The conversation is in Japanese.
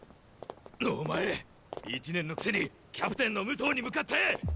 お前１年のくせにキャプテンの武藤に向かって！